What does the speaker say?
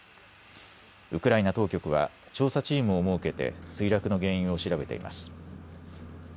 ウクライナ当局は調査チームを設けて墜落の原因を調べています。